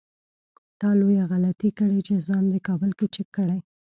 تا لويه غلطي کړې چې ځان دې کابل کې چک کړی.